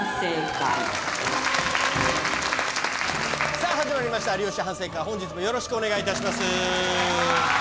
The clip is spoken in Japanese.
さぁ始まりました『有吉反省会』本日もよろしくお願いします。